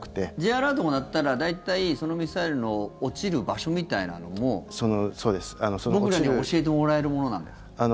Ｊアラートが鳴ったら大体、そのミサイルの落ちる場所みたいなのも僕らに教えてもらえるものなんですか？